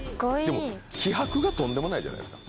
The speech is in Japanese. でも、気迫がとんでもないじゃないですか。